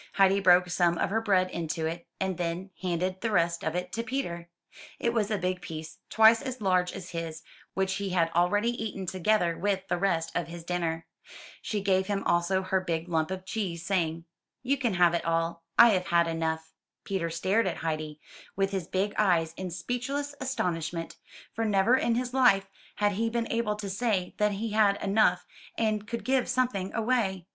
Heidi broke some of her bread into it, and then handed the rest of it to Peter. It was a big piece, twice as large as his, which he had already eaten, together with the rest of his dinner. She gave him also her big lump of cheese, saying, *'You can have it all, I have had enough.'' Peter stared at Heidi, with his big eyes, in speechless astonishment; for never in his life had he been able to say that he had had enough and could give something away.